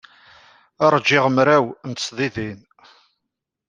Ṛjiɣ mraw n tesdidin.